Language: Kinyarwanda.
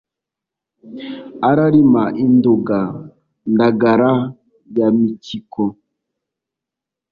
Ararima i Nduga, Ndagara ya Mikiko